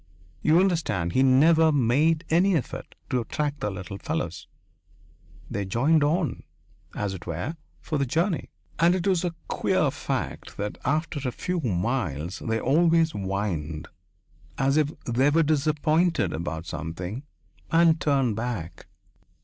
You understand, he never made any effort to attract the little fellows they joined on, as it were, for the journey. And it was a queer fact that after a few miles they always whined, as if they were disappointed about something, and turned back....